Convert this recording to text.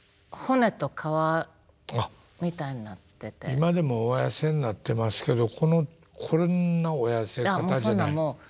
今でもお痩せになってますけどこんなお痩せ方じゃない？